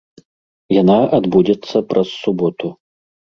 Яна адбудзецца праз суботу.